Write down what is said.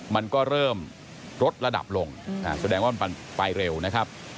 มันก็เริ่มลดระดับลงแสดงว่ามันไปเร็วนะครับ